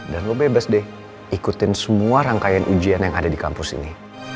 dan lo bebas deh ikutin semua rangkaian ujian yang ada di kampus ini